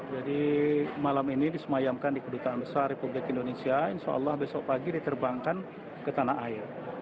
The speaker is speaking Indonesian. jadi malam ini disemayamkan di kedutaan besar republik indonesia insya allah besok pagi diterbangkan ke tanah air